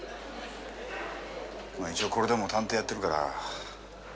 まあ一応これでも探偵やってるから。